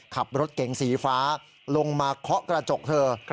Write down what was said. ขับรถเก๋งสีฟ้าลงมาเคาะกระจกเธอ